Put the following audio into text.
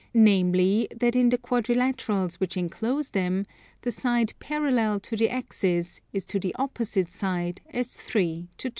namely that in the quadrilaterals which enclose them the side parallel to the axis is to the opposite side as 3 to 2.